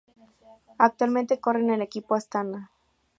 Actualmente corre en el equipo Astana.